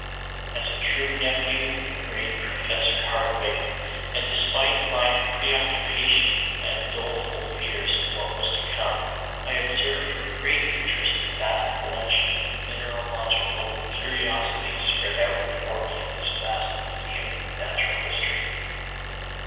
As a true nephew of the great Professor Hardwigg, and despite my preoccupation and doleful fears of what was to come, I observed with great interest the vast collection of mineralogical curiosities spread out before me in this vast museum of natural history.